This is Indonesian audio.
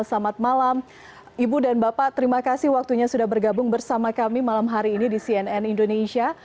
selamat malam ibu dan bapak terima kasih waktunya sudah bergabung bersama kami malam hari ini di cnn indonesia